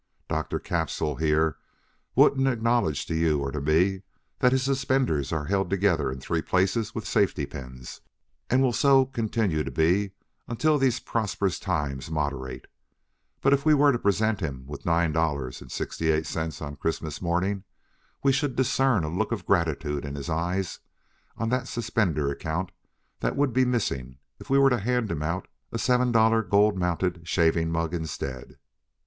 Dr. Capsule here wouldn't acknowledge to you or to me that his suspenders are held together in three places with safety pins, and will so continue to be until these prosperous times moderate; but if we were to present him with nine dollars and sixty eight cents on Christmas morning, we should discern a look of gratitude in his eye on that suspender account that would be missing if we were to hand him out a seven dollar gold mounted shaving mug instead.